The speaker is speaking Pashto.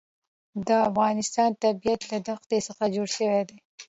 د افغانستان طبیعت له دښتې څخه جوړ شوی دی.